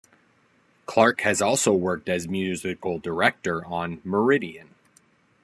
Clarke has also worked as Musical Director on "Meridan".